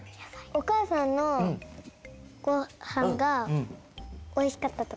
おかあさんのごはんがおいしかったとか？